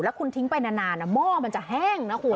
คุณทิ้งไปนานหม้อมันจะแห้งนะคุณ